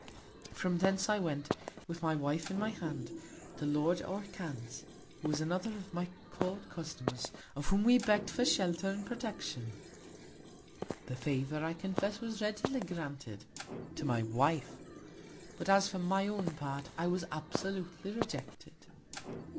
From thence I went, with my Wife in my Hand, to Lord Orcan's; who was another of my Court Customers; of whom we begg'd for Shelter and Protection: The Favour, I confess, was readily granted to my Wife; but as for my own Part, I was absolutely rejected.